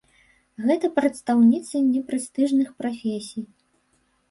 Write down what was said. Гэта прадстаўніцы непрэстыжных прафесій.